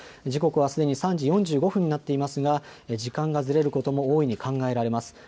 時刻はすでに３時４５分になっていますが時間がずれることも大いに考えられます。